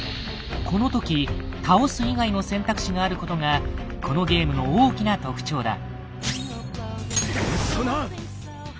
この時「倒す」以外の選択肢があることがこのゲームの大きな特徴だ。